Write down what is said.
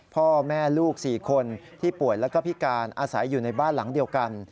พ่อแม่ลูก๔คนที่ป่วยแล้วก็พิการอาศัยอยู่ในบ้านหลังเดียวกัน